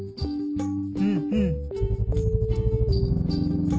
うんうん。